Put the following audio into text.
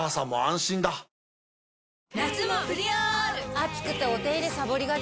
暑くてお手入れさぼりがち。